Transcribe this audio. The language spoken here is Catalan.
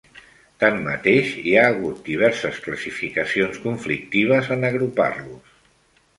Tanmateix, hi ha hagut diverses classificacions conflictives en agrupar-los.